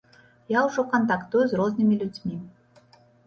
Я ўжо кантактую з рознымі людзьмі.